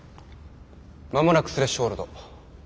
間もなくスレッシュホールド。